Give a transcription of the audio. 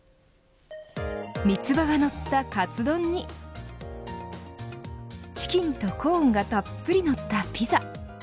ミツバが乗ったカツ丼にチキンとコーンがたっぷりのったピザ。